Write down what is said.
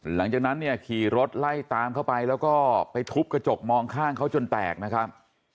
หลังจากนั้นเนี่ยขี่รถไล่ตามเข้าไปแล้วก็ไปทุบกระจกมองข้างเขาจนแตกนะครับ